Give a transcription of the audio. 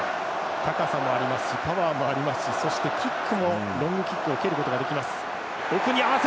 高さもありますしパワーもありますしそしてキックもロングキックを蹴ることができます。